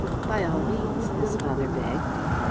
"By all means," his father begged.